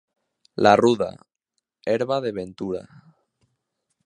La ruda, herba de ventura.